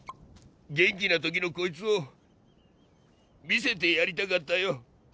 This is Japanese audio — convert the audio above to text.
元気なときのこいつを見せてやりたかったよ